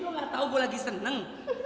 lu gatau gua lagi seneng